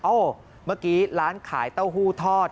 เมื่อกี้ร้านขายเต้าหู้ทอด